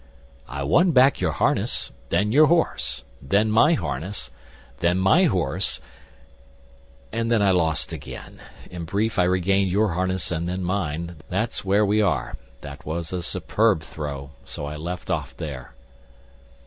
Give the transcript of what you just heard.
"I won back your harness, then your horse, then my harness, then my horse, and then I lost again. In brief, I regained your harness and then mine. That's where we are. That was a superb throw, so I left off there."